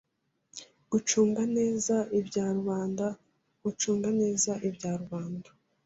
Gucunga neza ibya rubanda ucunga neza ibya rubanda